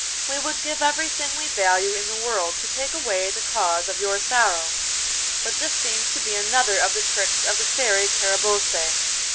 We would give everything we value in the world to take away the cause of your sorrow, but this seems to be another of the tricks of the Fairy Carabosse.